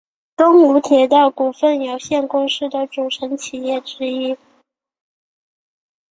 东武铁道股份有限公司的组成企业之一。